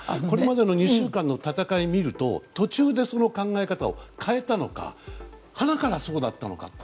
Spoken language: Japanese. これまでの２週間の戦いを見ると途中でその考え方を変えたのかはなからそうだったのか。